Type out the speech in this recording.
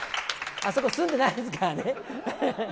あそこ住んでないですからね。